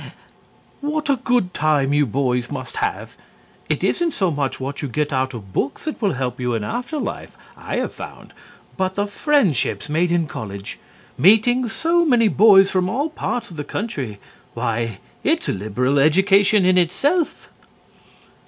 "What a good time you boys must have! It isn't so much what you get out of books that will help you in after life, I have found, but the friendships made in college. Meeting so many boys from all parts of the country why, it's a liberal education in itself."